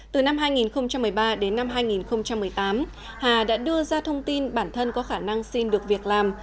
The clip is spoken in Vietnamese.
từ năm hai nghìn một mươi ba đến năm hai nghìn một mươi tám hà đã đưa ra thông tin bản thân có khả năng xin được việc làm